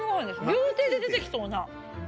料亭で出てきそうな。